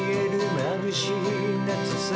「まぶしい夏さ」